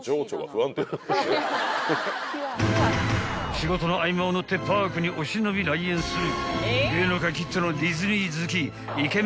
［仕事の合間を縫ってパークにお忍び来園する］